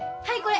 はい。